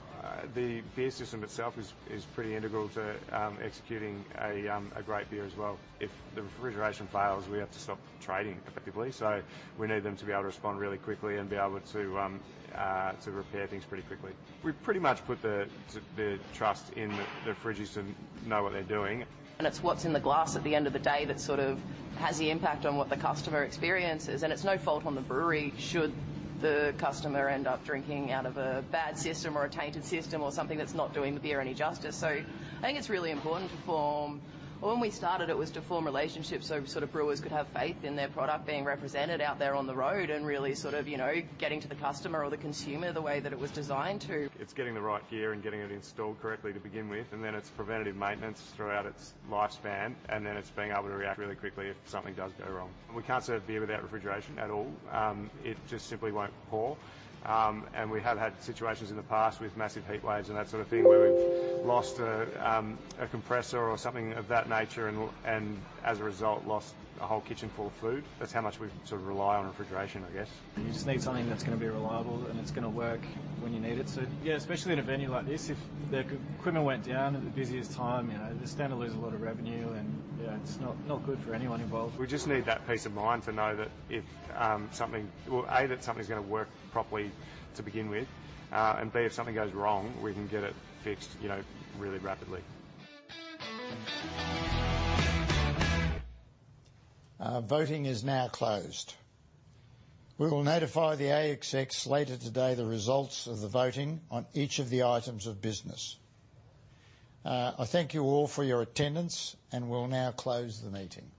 The beer system itself is pretty integral to executing a great beer as well. If the refrigeration fails, we have to stop trading effectively, so we need them to be able to respond really quickly and be able to repair things pretty quickly. We pretty much put the trust in the fridges to know what they're doing. It's what's in the glass at the end of the day that sort of has the impact on what the customer experiences. It's no fault on the brewery should the customer end up drinking out of a bad system or a tainted system or something that's not doing the beer any justice. I think it's really important. Well, when we started, it was to form relationships some sort of brewers could have faith in their product being represented out there on the road and really sort of, you know, getting to the customer or the consumer the way that it was designed to. It's getting the right beer and getting it installed correctly to begin with, and then it's preventive maintenance throughout its lifespan, and then it's being able to react really quickly if something does go wrong. We can't serve beer without refrigeration at all. It just simply won't pour. We have had situations in the past with massive heat waves and that sort of thing where we've lost a compressor or something of that nature and as a result, lost a whole kitchen full of food. That's how much we sort of rely on refrigeration, I guess. You just need something that's gonna be reliable and it's gonna work when you need it. Yeah, especially in a venue like this, if the equipment went down at the busiest time, you know, you're standing to lose a lot of revenue and, you know, it's not good for anyone involved. We just need that peace of mind to know that if, well, A, that something's gonna work properly to begin with, and B, if something goes wrong, we can get it fixed, you know, really rapidly. Voting is now closed. We will notify the ASX later today the results of the voting on each of the items of business. I thank you all for your attendance, and we'll now close the meeting.